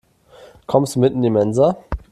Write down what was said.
Kommst du mit in die Mensa?